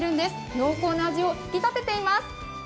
濃厚な味を引き立てています。